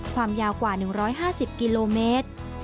ความยาวกว่า๑๕๐กิโลเมตร